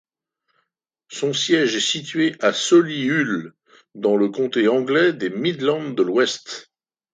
Son siège est situé à Solihull, dans le comté anglais des Midlands de l'Ouest.